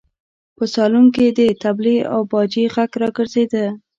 په سالون کې د تبلې او باجې غږ راګرځېده.